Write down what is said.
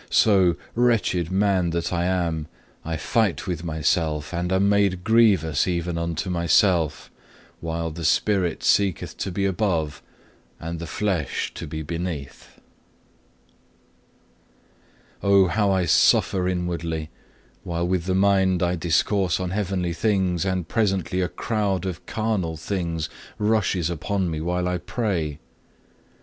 So, wretched man that I am, I fight with myself, and am made grievous even unto myself, while the spirit seeketh to be above and the flesh to be beneath. 5. Oh how I suffer inwardly, while with the mind I discourse on heavenly things, and presently a crowd of carnal things rusheth upon me whilst I pray.